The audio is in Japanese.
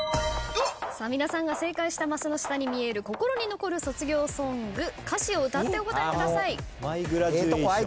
皆さんが正解したマスの下に見える心に残る卒業ソング歌詞を歌ってお答えください。